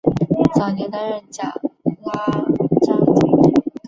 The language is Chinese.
早年担任甲喇章京。